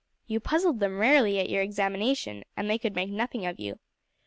You puzzled them rarely at your examination, and they could make nothing of you.